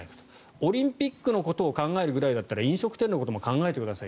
オリンピックのことを考えるぐらいだったら飲食店のことも考えてください。